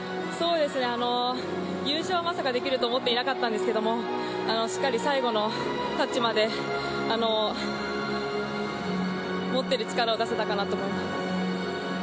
優勝はまさかできると思っていなかったんですけどしっかり最後のタッチまで持っている力を出せたかなと思います。